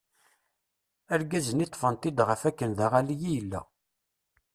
Argaz-nni ṭṭfen-t-id ɣef akken d aɣalli i yella.